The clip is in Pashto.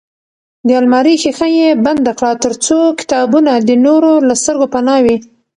د المارۍ ښیښه یې بنده کړه ترڅو کتابونه د نورو له سترګو پناه وي.